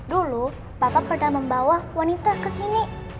dulu papa pernah membawa polepsi kesini